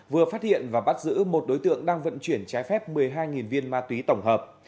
vừa phát hiện và bắt giữ một đối tượng đang vận chuyển trái phép một mươi hai viên ma túy tổng hợp